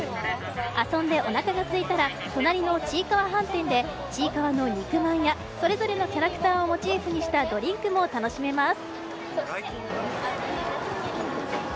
遊んで、おなかがすいたら隣のちいかわ飯店でちいかわの肉まんやそれぞれのキャラクターをモチーフにしたドリンクも楽しめます。